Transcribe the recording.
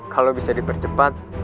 kalau bisa dipercepat